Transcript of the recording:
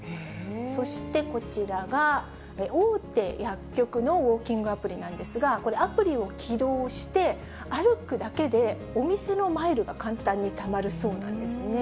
そしてこちらが、大手薬局のウォーキングアプリなんですが、これ、アプリを起動して歩くだけで、お店のマイルが簡単にたまるそうなんですね。